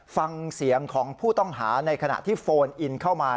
ฟังเสียงของผู้ต้องหาในขณะที่โฟนอินเข้ามา